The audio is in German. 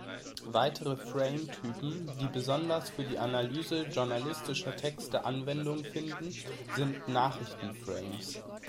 Weitere Frame-Typen, die besonders für die Analyse journalistischer Texte Anwendung finden, sind Nachrichten-Frames.